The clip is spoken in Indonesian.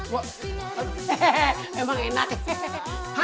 hehehe emang enak ya